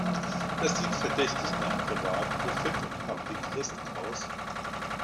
Das sieht verdächtig nach private profit and public risk aus.